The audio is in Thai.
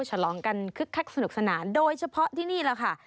ฉลองกันคึกคักสนุกสนานโดยเฉพาะที่นี่แหละค่ะ